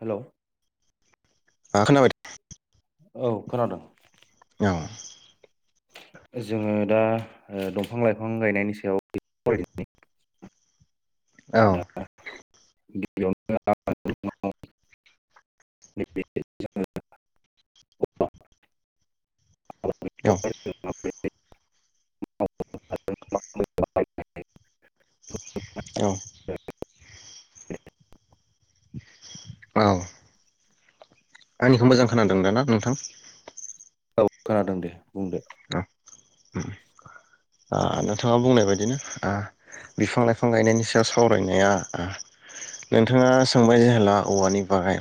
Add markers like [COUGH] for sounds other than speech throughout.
Hello ओ खोनाबायद औ खोनादों। औ जोङो दा ओ दंफां लाइफां गायनायनि सायाव [UNINTELLIGIBLE] औ दा [UNINTELLIGIBLE] औ आबादखौहाय [UNINTELLIGIBLE] औ [INAUDIBLE] औ आंनिखौ मोजां खोनादों दाना नोंथां? औ खोनादों दे, बुंदो उम ओ नोंथाङा बुंनाय बायदिनो ओ बिफां लाइफां गायनायनि सायाव सावरायनाया ओ नोंथाङा सोंबाय जेला औवानि बागै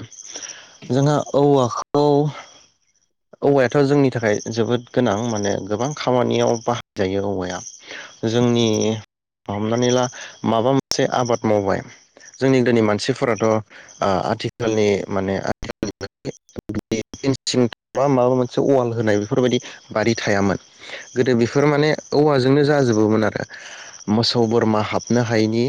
जोंहा औवाखौ औवायाथ' जोंनि थाखाय जोबोद गोनां माने गोबां खामानियाव बाहायजायो औवाया जोंनि हमनानै ला माबा मोनसे आबाद मावबाय जोंनि गोनि मानसिफोराथ' ओ आथिखालनि माने मा माबा मोनसे औवाल होनाय बेफोरबायदि बारि थायामोन गोदो बेफोर माने औवाजोंनो जाजोबोमोन आरो मोसौ बोरमा हाबनो हायैनि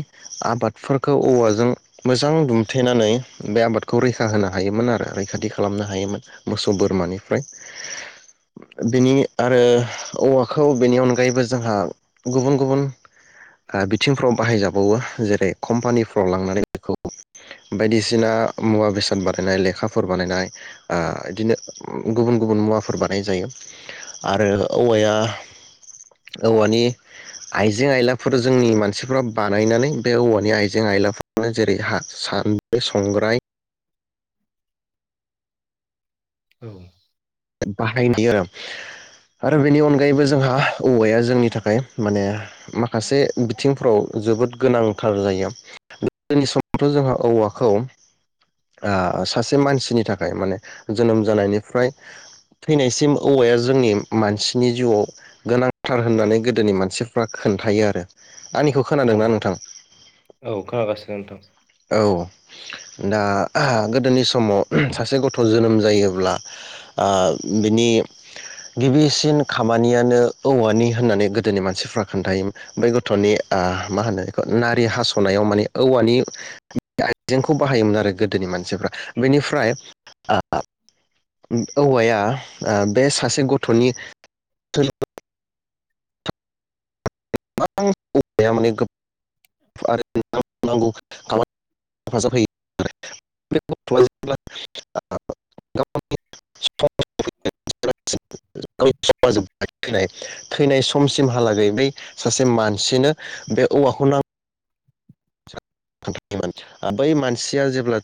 आबादफोरखौ औवाजों मोजां दुमथेनानै बे आबादखौ रैखा होनो हायोमोन आरो रैखाथि खालामनो हायोमोन मोसौ, बोरमानिफ्राय बेनि आरो औवाखौ बेनि अनगायैबो जोंहा गुबुन गुबुन, ओ बिथिंफ्राव बाहायजाबाय, बावो जेरै कम्पानिफ्राव लांनानै बेखौ बायदिसिना मुवा बेसाद बानायनाय लेखाफोर बानायनाय बिदिनो, गुबुन गुबुन मुवाफोर बानाय जायो आरो औवाया औवानि आइजें आइलाफोर जोंनि मानसिफ्रा बानायनानै बे औवानि आइजें आइलाफोरानो जेरै सान्द्रि, संग्राय, औ बाहायनाय आरो आरो बेनि अनगायैबो जोंहा औवाया जोंनि थाखाय माने माखासे बिथिंफ्राव जोबोद गोनांथार जायो गोदोनि समावथ' जोंहा औवाखौ आ सासे मानसिनि थाखाय माने जोनोम जानायनिफ्राय, थैनायसिम औवाया जोंनि मानसिनि जिउआव गोनांथार होननानै गोदोनि मानसिफ्रा खोन्थायो आरो आंनिखौ औ खोनादोंना नोंथां औ खोनागासिनो नोंथां, औ दा गोदोनि समाव सासे ग'थ जोनोम जायोब्ला ओ बिनि गिबिसिन खामानियानो औवानि होननानै गोदोनि मानसिफ्रा खोन्थायोमोन बै ग'थनि मा होनो बेखौ नारि हास नायाव माने औवानि, [UNINTELLIGIBLE] आइजेंखौ बाहायोमोन आरो गोदोनि मानसिफ्रा बेनिफ्राय औवाया ओ बे सासे ग'थनि [UNINTELLIGIBLE] माने [UNINTELLIGIBLE] थैनाय समसिमहालागै बै सासे मानसिनो बे औवाखौ नां बै मानसिया जेब्ला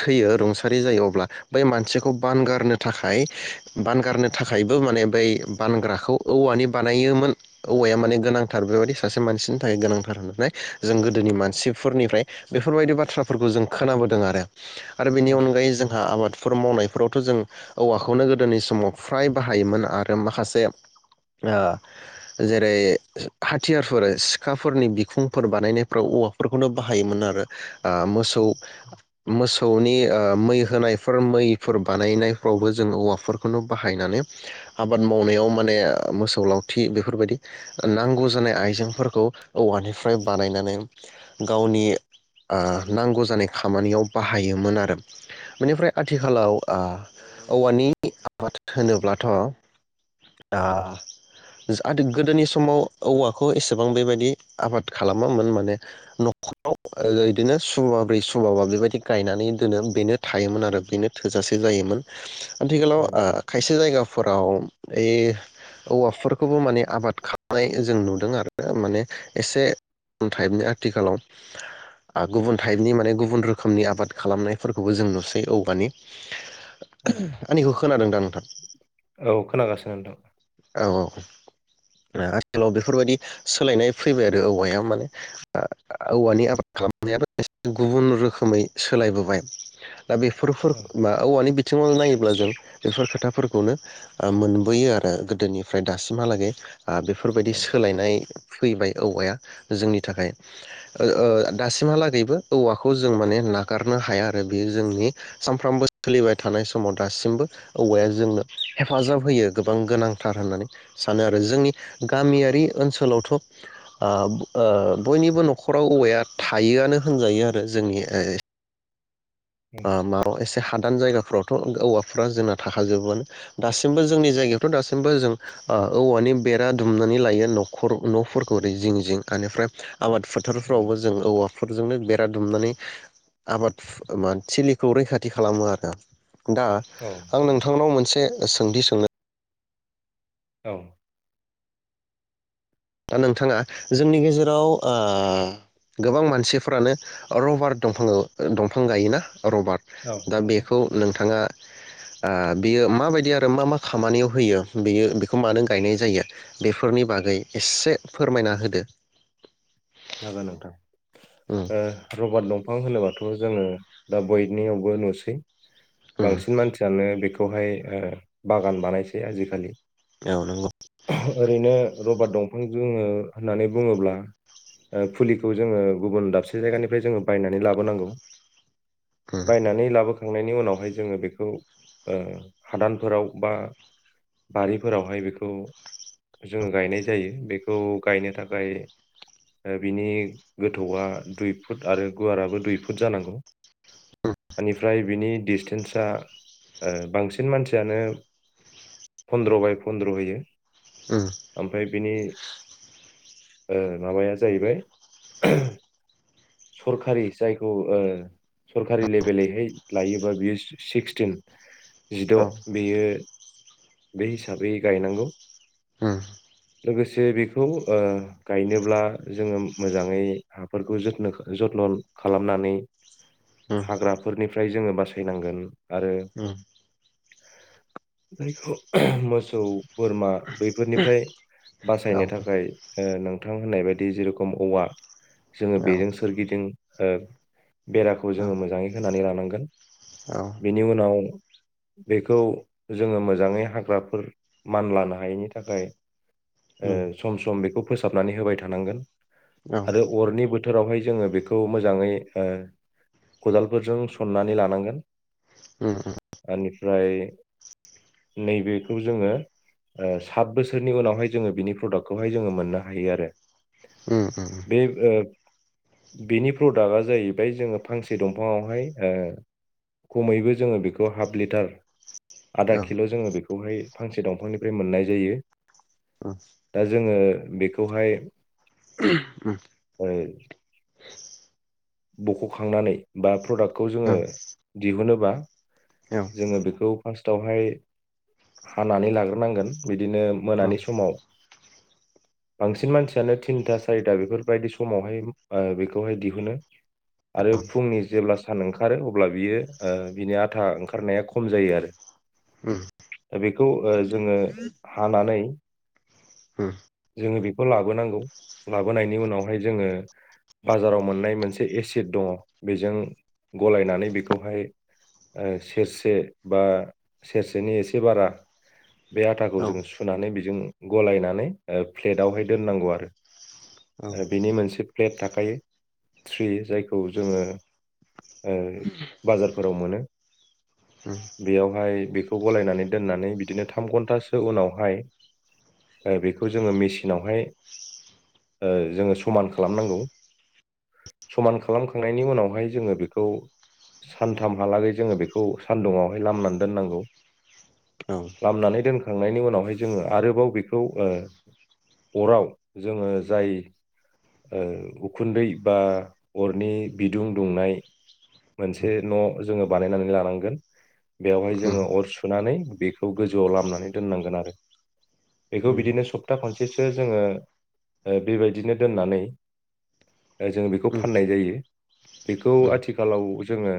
थैयो रुंसारि जायो अब्ला बै मानसिखौ बानगारनो थाखाय बानगारनो थाखायबो माने बै बानग्राखौ औवानि बानायोमोन औवाया माने गोनांथार बेबायदि सासे मानसिनि थाखाय गोनांथार होननानै जों गोदोनि मानसि, फोरनिफ्राय बेफोरबायदि बाथ्राफोरखौ जों खोनाबोदों आरो, आरो बेनि औ अनगायै जोंहा आबादफोर मावनाय, फोरावथ' जों औवाखौनो गोदोनि समाव फ्राय बाहायोमोन आरो माखासे ओ जेरै हाथियारफोर सिखाफोरनि बिखुंफोर बानायनायफ्राव औवा फोरफोरखौनो बाहायोमोन आरो ओ मोसौ, मोसा, खौनि ओ मै होनायफोर मैफोर बानायनायफ्रावबो जोंङो औवाफोरखौनो बाहायनानै आबाद मावनायाव माने मोसौ लावथि बेफोरबायदि नांगौ जानाय आइजेंफोरखौ औवानिफ्राय बानायनानै गावनि ओ नांगौ जानाय खामानियाव बाहायोमोन आरो बेनिफ्राय आथिखालाव आ औवानि आबाद होनोब्लाथ' ओ गोदोनि समाव औवाखौ एसेबां बेबायदि आबाद खालामामोन माने, न'खराव बिदिनो सुबाब्रै सुबाबा बेबायदि गायनानै दोनो बेनो थायोमोन आरो बेनो थोजासे जायोमोन, आथिखालाव ओ खायसे जायगा फोराव ओइ औवाफोरखौबो माने आबाद खालामनाय जों नुदों आरो माने एसे टाइपनि आथिखालाव आ गुबुन टाइपनि माने गुबुन रोखोमनि आबाद खालामनायफोरखौबो जों नुसै औवानि औ [UNINTELLIGIBLE] आंनिखौ खोनादों दा नोंथां औ खोनागासिनो नोंथां औ औ। ओ आथिखालाव बेफोरबायदि सोलायनाय फैबाय आरो औवाया माने ओ औवानि आबाद खालामनायाबो गुबुन रोखोमै सोलायबोबाय। दा बेफोर फोर मा औवानि बे थिंङै नायोब्ला जों बेफोर खोथाफोरखौनो मोनबोयो आरो गोदोनिफ्राय दासिमहालागै। ओ बेफोरबायदि औ सोलायनाय फैबाय औवाया जोंनि थाखाय ओ दासिमहालागैबो औवाखौ जों माने नागारनो हाया आरो बेयो जोंनि सानफ्रोमबो सोलिबाय थानाय समाव दासिमबो औवाया जोंनो हेफाजाब होयो गोबां गोनांथार होननानै सानो आरो जोंनि गामियारि ओनसोलावथ ओ ओ बयनिबो नखराव औवाया थायोआनो होनजायो आरो जोंनि ओ अ मा एसे हादान जायगा फोरावथ औवाफ्रा जोंना थाखाजोबोनो दासिमबो जोंनि जायगायावथ दासिमबो जों ओ औवानि बेरा दुमनानै लायो नखर नफोरखौ ओरै जिं जिं बेनिफ्राय आबाद फोथारफ्रावबो जों औवाफोरजोंनो बे ओ दुमनानै आबाद मा थिलिखौ रैखाथि खालामो आरो। दा आं नोंथांनाव मोनसे सोंथि सोंनो औ दा नोंथाङा जोंनि गेजेराव ओ गोबां मानसिफ्रानो रबार दंफां दंफां गायोना? रबार औ दा औ बेखौ नों नोंथाङा ओ बियो माबायदि आरो मा मा खामानियाव होयो बियो बेखौ मानो गायनाय जायो बेफोरनि बागै एसे फोरमायना होदो। जागोन नोंथां। उम ओ रबार दं फां होनोबाथ जोङो दा बयनियावबो नुसै। उम बांसिन मानसियानो बेखौ खौहाय ओ बागान बानायसै आजिखालि। औ नंगौ ओरैनो रबार दंफां जोङो होननानै बुङोब्ला ओ फुलिखौ जोङो गुबुन दाबसे जायगानिफ्राय जोङो बायनानै लाबोनांगौ। उम बायनानै लाबो खांनायनि उनावहाय जोङो बेखौ ओ हादानफोराव बा बारिफोरावहाय बेखौ जोङो गायनाय जायो बेखौ गायनो थाखाय दा बिनि गोथौआ दुइ फुट आरो गुवाराबो दुइ फुट जानांगौ ओनिफ्राय बिनि डिसटेन्सा ओ बांसिन मानसियानो फन्द्र बाय फन्द्र होयो। उम ओमफ्राय बिनि ओ माबाया जाहैबाय सरखारि जायखौ ओ सरखारि लेभेलैहाय लायोबा बियो सिक्सटिन जिद' औ बेयो बे हिसाबै गायनांगौ उम लोगोसे बेखौ ओ गायनोब्ला जोङो मोजाङै हाफोरखौ जथोनो जथन'ओयखौ खालामनानै उम उम हाग्राफोरनिफ्राय जोङो बासायनांगोन आरो मोसौ बोरमा बैफोरनिफ्राय औ बासायनो थाखाय ओ नोंथां होननाय बायदि दि जेरेखोम औवा जोङो औ उम औ बेजों सोरगिदिं ओ बेराखौ उम जोङो मोजाङै होनानै लानांगोन बेनि उनाव बेखौ जोङो मोजाङै हाग्राफोर मान लानो हायैनि थाखाय ओ सम सम बेखौ फोसाबनानै होबाय था थानांगोन उम आरो अरनि बोथोरावहाय जोङो बेखौ जोङो मोजांङै ओ खदालफोरजों सननानै लानांगोन उम औ उम उम औ उम औ उम औ उम औ उम औ ओनिफ्राय नैबेखौ जोङो ओ सात बोसोरनि उनाव प्रडाक्टखौहाय जोंङो मोननो हायो आरो। उम बे ओ बेनि प्रडाक्टआ जाहैबाय जोङो फांसे दंफाङावहाय ओ खमैबो जोङो बेखौ हाफ लिटार आधा किल जोङो बेखौहाय फांसे दंफांनिफ्राय मोननाय जायो दा जोङो बेखौहाय ओ बख'खांनानै बा प्रडाक्टखौ जोङो दिहुनोबा जोङो बेखौ फार्स्टआवहाय हानानै लाग्रोनांगोन बिदिनो मोनानि समाव बांसिन मानसियानो थिनथा सारिथा बेफोरबायदि समावहाय ओ बेखौहाय दिहुनो। आरो फुंनि जेब्ला सान ओंखारो अब्ला बियो ओ बिनि आथा ओंखारनाया खम जायोआरो दा बेखौ ओ जोङो हानानै जोङो बेखौ लाबोनांगौ लाबोनायनि उनावहाय जोङो बाजाराव मोननाय मोनसे ए-एसिड दङ बेजों गलायनानै बेखौहाय ओ सेरसे बा सेरसेनि एसे बारा बे आथाखौ जों सुनानै बेजों गलायनानै ओ प्लेटावहाय दोननांगौ आरो ओ बेनि मोनसे प्लेट थाखायो त्रि जायखौ जोङो ओ बाजारफोराव मोनो बेयावहाय बेखौ गलायनानै दोननानै बिदिनो थाम घन्टासो उनावहाय ओ बेखौ जोङो मेसिनावहाय ओ जोङो समान खालामनांगौ। समान खालामखांनायनि उनावहाय जोङो बेखौ सानथामहालागै जोङो बेखौ सानदुुंङावहाय लामनानै दोननांगौ लामनानै दोनखांनायनि उनावहाय जोङो आरोबाव बेखौ ओ अराव जोङो जाय ओ उखुन्दै बा अरनि बिदुं दुंनाय मोनसे न' जोङो बानायनानै लानांगोन बेवहाय जोङो अर सुनानै बेखौ गोजौआव लामनानै दोननांगोन आरो बेखौ बिदिनो सप्ता खनसेसो जोङो ओ बेबायदिनो दोननानै जोङो बेखौ फाननाय जायो बेखौ आथि खालाव जोङो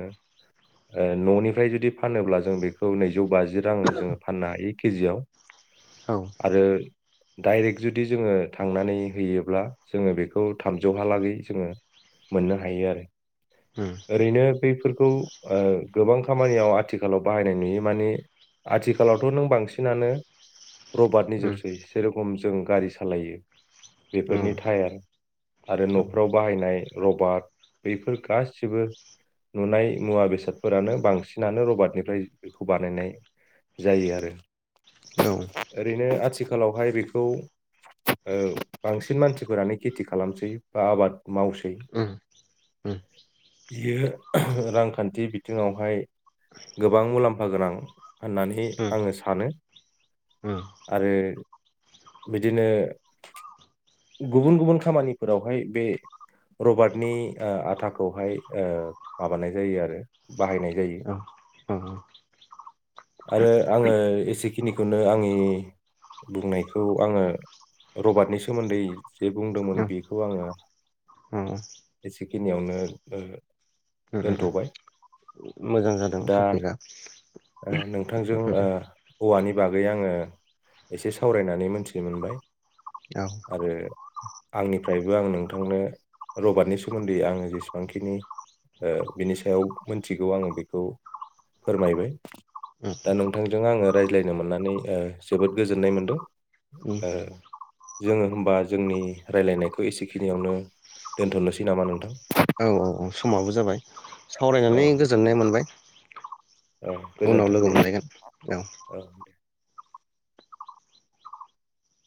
ओ न'निफ्राय जुदि फानोब्ला जों बेखौ नैजौ बाजि रां जोङो फाननो हायो केजियाव आरो डाइरेक्ट जुदि जोङो थांनानै होयोब्ला जोङो बेखौ थामजौहालागै जोङो मोननो हायो आरो। ओरैनो बैफोरखौ ओ गोबां खामानियाव आथिखालाव बाहायनाय नुयो माने आथिखालावथ' नों बांसिनानो रबाटनि जोबसै जेरखम जों गारि सालायो बेफोरनि टायार आरो न'फ्राव बाहायनाय रबाट बैफोर गा सिबो नुनाय मुवा बेसादफोरानो बांसिनानो रबटनिफ्राय बेखौ बानायनाय जायो आरो ओरैनो आथिखालावहाय बेखौ ओ बांसिन मानसिफोरानो खेथि खालामसै बा आबाद मावसै उम इयो रांखान्थि बिथिङावहाय गोबां मुलाम्फा गोनां होननानै उम आङो सानो उम आरो बिदिनो गुबुन गुबुन खामानिफोरावहाय बे रबाटनि ओ आथा खौहाय ओ माबानाय जायो आरो बाहायनाय जायो औ औ आरो आङो एसेखिनिखौनो आंनि बुंनायखौ आङो रबाटनि सोमोन्दै जे बुंदोंमोन बेखौ आङो औ एसेखिनियावनो ओ औ दोनथ'बाय। दा टपिकआ ओ नोंथांजों औ औवानि बागै आङो एसे सावरायनानै मोनथिनो मोनबाय औ आरो आंनिफ्रायबो आं नोंथांनो रबाटनि सोमोन्दै आङो जेसेबांखिनि ओ बिनि सायाव मोनथिगौ आङो बेखौ फोरमायबाय। दा नोंथांजों आङो रायज्लायनो मोननानै ओ जोबोद गोजोननाय मोनदों ओ जोङो होनबा जोंनि रायज्लायनायखौ एसेखिनियावनो दोनथ'नोसै नामा नोंथां? औ औ समाबो जाबाय औ सावरायनानै गोजोननाय मोनबाय। औ उनाव गोजोन्थों दे लोगो मोनलायगोन औ